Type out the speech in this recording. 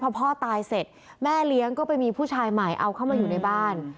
พอพ่อตายเสร็จแม่เลี้ยงก็ไปมีผู้ชายใหม่เอาเข้ามาอยู่ในบ้าน